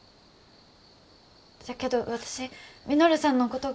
じゃけど私稔さんのことが。